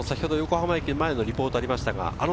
横浜駅前のリポートもありました。